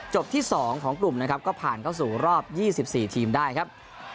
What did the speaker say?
ที่๒ของกลุ่มนะครับก็ผ่านเข้าสู่รอบ๒๔ทีมได้ครับ